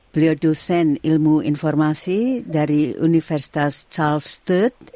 beliau dosen ilmu informasi dari universitas charles sturt